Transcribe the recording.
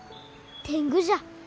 天狗じゃ。